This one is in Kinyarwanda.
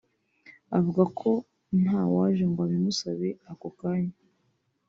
avuga ko ntawaje ngo abimusabe ako kanya